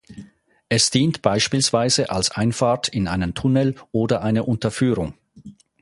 Es dient beispielsweise als Einfahrt in einen Tunnel oder eine Unterführung.